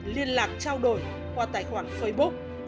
liên lạc trao đổi qua tài khoản facebook